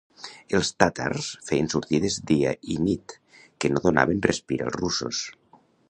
Els tàtars feien sortides dia i nit que no donaven respir als russos.